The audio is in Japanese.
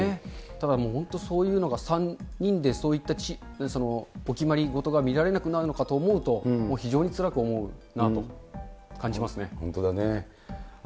ただもう、本当にそういうのが３人で、そういったお決まりごとが見られなくなるのかと思うと、非常につ本当だね。